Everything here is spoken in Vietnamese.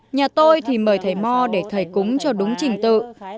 nhà tôi thì mời thầy mò để thầy cúng cho đúng trình tự